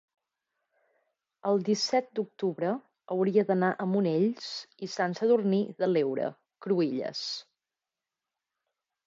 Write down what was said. el disset d'octubre hauria d'anar a Monells i Sant Sadurní de l'Heura Cruïlles.